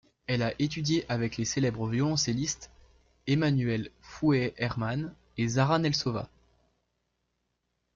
Elle a étudié avec les célèbres violoncellistes Emanuel Feuermann et Zara Nelsova.